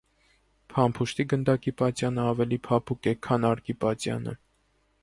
Փամփուշտի գնդակի պատյանը ավելի փափուկ է, քան արկի պատյանը։